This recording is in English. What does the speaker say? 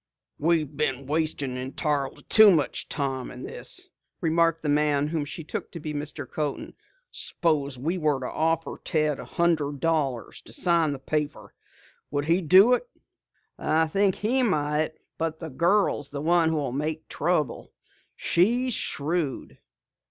"We've been wasting entirely too much time in this," remarked the man whom she took to be Mr. Coaten. "Suppose we were to offer Ted a hundred dollars to sign the paper. Would he do it?" "I think he might, but the girl is the one who'll make trouble. She's shrewd."